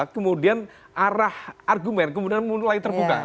kemudian arah argumen kemudian mulai terbuka